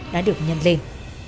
đã được nhận lên